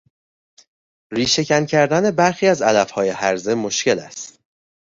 ریشه کن کردن برخی از علفهای هرزه مشکل است.